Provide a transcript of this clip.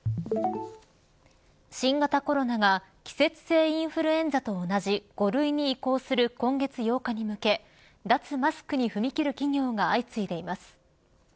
新型コロナが季節性インフルエンザと同じ５類に移行する今月８日に向け脱マスクに踏み切る企業が相次いでいます。